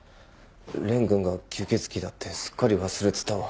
くんが吸血鬼だってすっかり忘れてたわ。